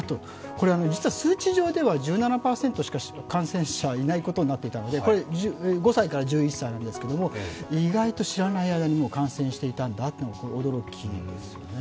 これ実は数値上では１７％しか感染者はいないことになっていたので５歳から１１歳なんですが、意外と知らない間に感染していたんだというのは驚きですよね。